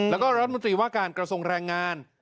แล้วก็รัฐมนตรีว่าการกระทรวงแรงงาน